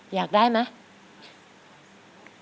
อยากได้ไหม